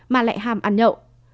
mà lại ham ăn nhậu